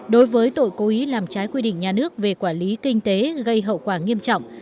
đối với tội cố ý làm trái quy định nhà nước về quản lý kinh tế gây hậu quả nghiêm trọng